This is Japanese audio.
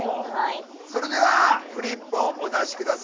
それではフリップをお出し下さい。